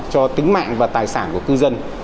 cho tính mạng và tài sản của cư dân